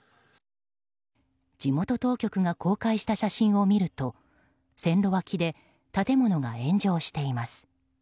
地元当局が公開した写真を見ると線路脇で建物が炎上しています。